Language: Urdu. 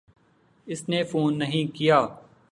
اس نے فون نہیں کیا۔